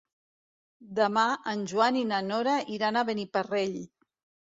Demà en Joan i na Nora iran a Beniparrell.